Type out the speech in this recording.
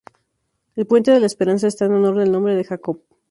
El Puente de la Esperanza esta en honor del nombre de Jacob.